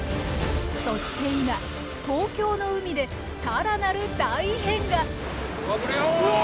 そして今東京の海で更なる大異変が！